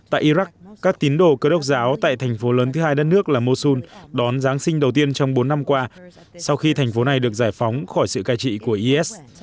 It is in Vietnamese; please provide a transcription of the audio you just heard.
tại iraq các tín đồ cơ đốc giáo tại thành phố lớn thứ hai đất nước là mosun đón giáng sinh đầu tiên trong bốn năm qua sau khi thành phố này được giải phóng khỏi sự cai trị của is